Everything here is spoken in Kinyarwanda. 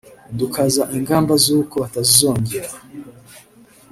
dukaza ingamba z’uko bitazongera